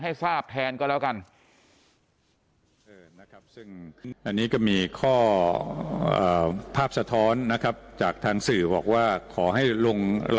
ให้ทราบแทนก็แล้วกัน